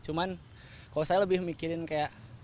cuman kalau saya lebih mikirin kayak